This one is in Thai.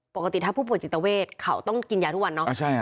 ปกติถ้าผู้ป่วยจิตเวทเขาต้องกินยาทุกวันเนาะ